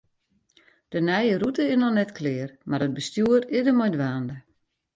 De nije rûte is noch net klear, mar it bestjoer is der mei dwaande.